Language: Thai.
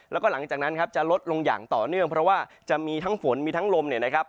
แล้วก็หลังจากนั้นครับจะลดลงอย่างต่อเนื่องเพราะว่าจะมีทั้งฝนมีทั้งลมเนี่ยนะครับ